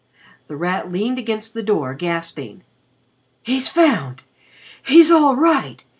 The Rat leaned against the door gasping. "He's found! He's all right!"